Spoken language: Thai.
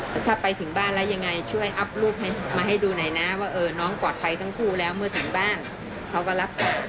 ถ้าไปถึงบ้านแล้วยังไงช่วยอัพรูปมาให้ดูหน่อยนะว่าน้องปลอดภัยทั้งคู่แล้วเมื่อถึงบ้านเขาก็รับต่อ